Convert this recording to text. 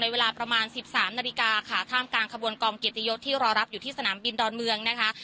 เวลาประมาณสิบสามนาฬิกาค่ะท่ามกลางขบวนกองเกียรติยศที่รอรับอยู่ที่สนามบินดอนเมืองนะคะ